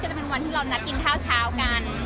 จะเป็นวันที่เรานัดกินข้าวเช้ากัน